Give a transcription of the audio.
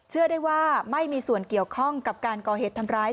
เชื่อได้ว่าไม่มีส่วนเกี่ยวข้องกับการก่อเหตุทำร้าย